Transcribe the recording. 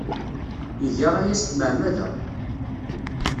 Iga aya s tmeɛmada.